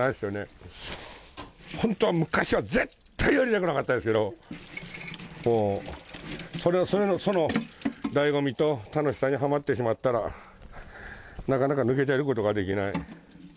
本当は昔は絶対やりたくなかったですけどその醍醐味と楽しさにはまってしまったらなかなか抜け出ることができない。